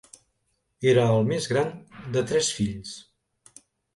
Era el més gran de tres fills.